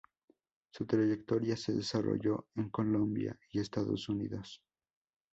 Su trayectoria se desarrolló en Colombia y en Estados Unidos.